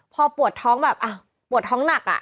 พอปวดท้องแบบปวดท้องหนัก